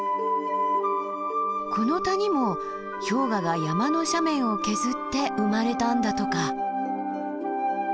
この谷も氷河が山の斜面を削って生まれたんだとか。